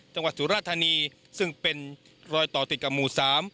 สุราธานีซึ่งเป็นรอยต่อติดกับหมู่สาม